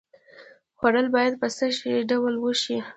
خوړل باید په څه ډول وشي؟